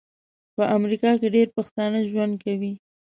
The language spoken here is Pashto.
په امریکا کې ډیر پښتانه ژوند کوي